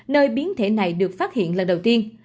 nơi biến thể này được phát hiện lần đầu tiên